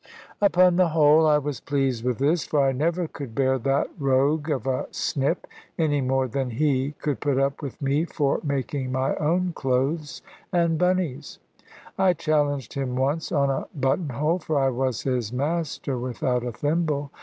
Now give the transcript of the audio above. Upon the whole I was pleased with this; for I never could bear that rogue of a snip, any more than he could put up with me for making my own clothes and Bunny's. I challenged him once on a buttonhole, for I was his master without a thimble.